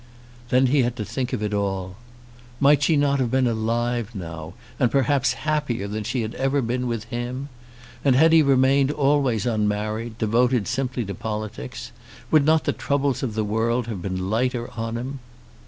Then he had to think of it all. Might she not have been alive now, and perhaps happier than she had ever been with him? And had he remained always unmarried, devoted simply to politics, would not the troubles of the world have been lighter on him?